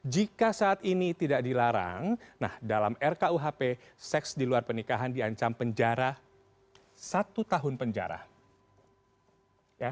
jika saat ini tidak dilarang nah dalam rkuhp seks di luar pernikahan diancam penjara satu tahun penjara